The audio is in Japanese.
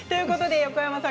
横山さん